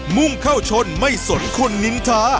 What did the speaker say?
มุ่งเข้าชนไม่สนคนลิ้นช้า